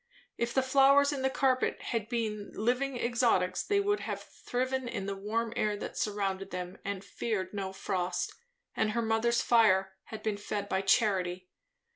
If the flowers in the carpet had been living exotics, they would have thriven in the warm air that surrounded them, and feared no frost; and her mother's fire had been fed by charity!